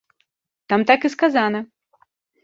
Там так і сказана!